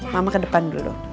mama ke depan dulu